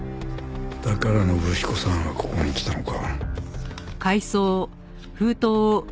だから信彦さんはここに来たのか。